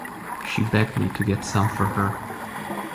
She begged me to get some for her.